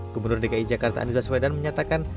gubernur dki jakarta andi zaswedan menyatakan